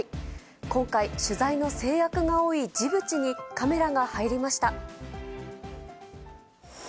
今回、取材の制約が多いジブチにカメラが入りました。